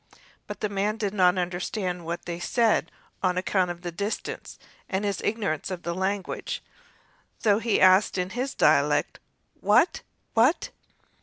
But the man did not understand what they said on account of the distance and his ignorance of their language, and so he asked in his dialect: "Wat? wat?"